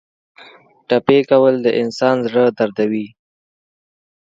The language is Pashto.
ټپي کول د انسان زړه دردوي.